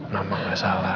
mama gak salah